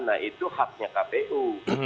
nah itu haknya kpu